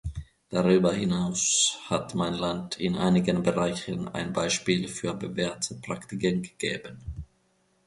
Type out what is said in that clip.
Darüber hinaus hat mein Land in einigen Bereichen ein Beispiel für bewährte Praktiken gegeben.